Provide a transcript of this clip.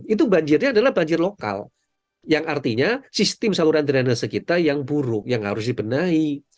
itu banjirnya adalah banjir lokal yang artinya sistem saluran drainase kita yang buruk yang harus dibenahi